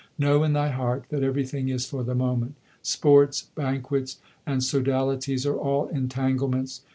Know in thy heart that everything is for the moment. Sports, banquets, and sodalities are all entanglements.